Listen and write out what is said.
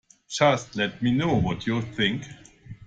Just let me know what you think